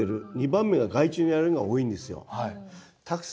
２番目が害虫にやられるのが多いんですよ。